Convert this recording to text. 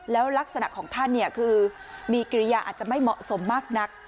แล้วลักษณะของท่านคือมีกิริยาอาจจะไม่เหมาะสมมากนัก